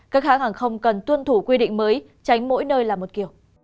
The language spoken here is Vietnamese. các hãng hàng không cần tuân thủ quy định mới tránh mỗi nơi là một kiểu